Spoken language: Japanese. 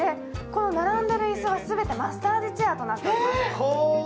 並んでいる椅子はすべてマッサージチェアとなっています。